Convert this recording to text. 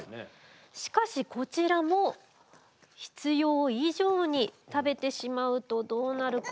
しかしこちらも必要以上に食べてしまうとどうなるか。